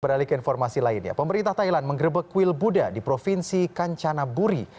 beralih ke informasi lainnya pemerintah thailand mengrebek kuil buddha di provinsi kanchanaburi